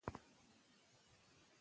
ماشومان له تاوتریخوالي باید وساتل شي.